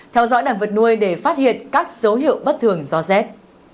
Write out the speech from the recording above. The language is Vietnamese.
theo dõi đàn vật nuôi để phát hiện các dấu hiệu bất thường do rét